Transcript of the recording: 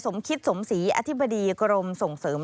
สมคิดสมศรีอธิบดีกรมส่งเสริม